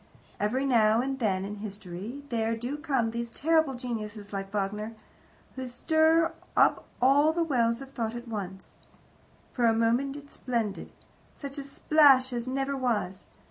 Every now and then in history there do come these terrible geniuses, like Wagner, who stir up all the wells of thought at once. For a moment it's splendid. Such a splash as never was.